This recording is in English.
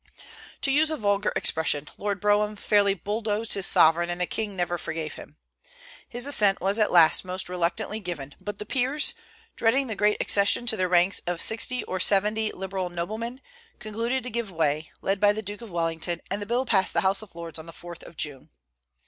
To use a vulgar expression, Lord Brougham fairly "bulldozed" his sovereign, and the king never forgave him. His assent was at last most reluctantly given; but the peers, dreading the great accession to their ranks of sixty or severity Liberal noblemen, concluded to give way, led by the Duke of Wellington, and the bill passed the House of Lords on the 4th of June.